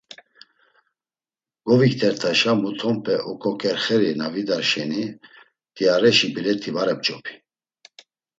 Goviktert̆aşa mutonpe oǩoǩerxeri na vidar şeni, mt̆iareşi bilet̆i var ep̌ç̌opi.